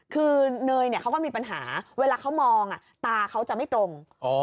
คือเนยเขาก็มีปัญหาเวลาเขามองตาเขาจะไม่ตรง